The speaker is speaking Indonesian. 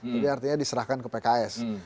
jadi artinya diserahkan ke pks